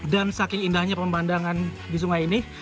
dan saking indahnya pemandangan di sungai ini